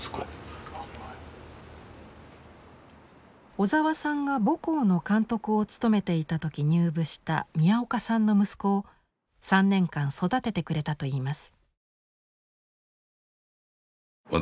小沢さんが母校の監督を務めていた時入部した宮岡さんの息子を３年間育ててくれたといいます。